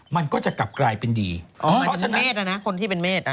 มันก็จะกลับกลายเป็นดีเพราะฉะนั้นคนที่เป็นเมษ